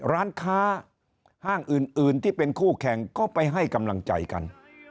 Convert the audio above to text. ร้านค้าห้างอื่นที่เป็นคู่แข่งก็ไปให้กำลังใจกัน